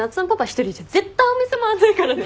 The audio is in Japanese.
一人じゃ絶対お店回んないからね。